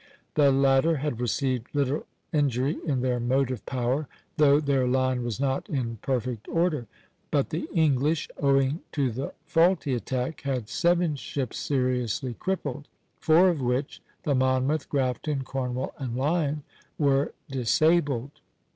The latter had received little injury in their motive power, though their line was not in perfect order; but the English, owing to the faulty attack, had seven ships seriously crippled, four of which the "Monmouth" (a'), "Grafton," "Cornwall" (c'), and "Lion" (c'') were disabled.